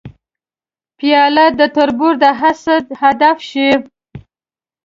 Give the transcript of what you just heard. پیاله د تربور د حسد هدف شي.